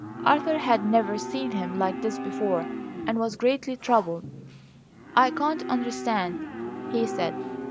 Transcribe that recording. Arthur had never seen him like this before, and was greatly troubled. "I can't understand," he said.